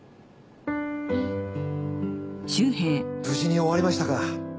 無事に終わりましたか。